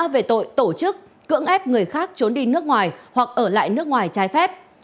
về tội tổ chức cưỡng ép người khác trốn đi nước ngoài hoặc ở lại nước ngoài trái phép